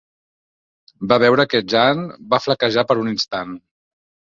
Va veure que Jeanne va flaquejar per un instant.